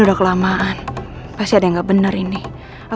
untuk ashara saya harus pilih riza azhar arrogant bukan